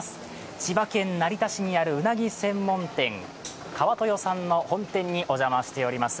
千葉県成田市にある、うなぎ専門店川豊さんの本店にお邪魔しております。